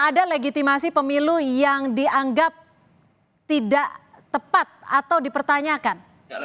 ada legitimasi pemilu yang dianggap tidak tepat atau dipertanyakan